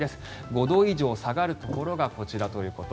５度以上下がるところがこちらということ。